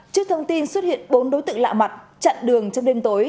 trước thông tin xuất hiện bốn đối tượng lạ mặt chặn đường trong đêm tối